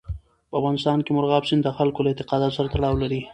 په افغانستان کې مورغاب سیند د خلکو له اعتقاداتو سره تړاو لري.